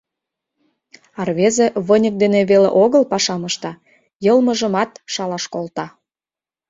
А рвезе выньык дене веле огыл пашам ышта, йылмыжымат шалаш колта: